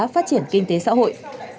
phát triển kinh tế xã hội